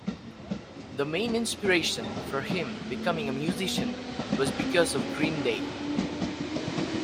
The main inspiration for him becoming a musician was because of Green Day.